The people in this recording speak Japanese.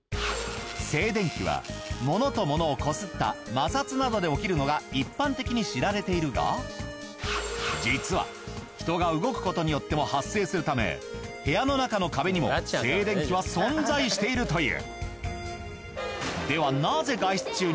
静電気はものとものをこすった摩擦などで起きるのが一般的に知られているが実は人が動くことによっても発生するため部屋の中の壁にも静電気は存在しているという。